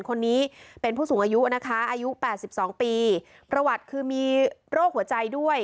คนนี้เป็นผู้สูงอายุนะคะอายุ๘๒ปีประวัติคือมีโรคหัวใจด้วย